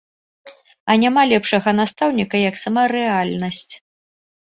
А няма лепшага настаўніка, як сама рэальнасць.